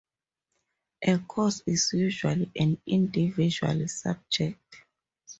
A course is usually an individual subject.